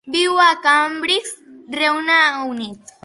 Viu a Cambridge, Regne Unit.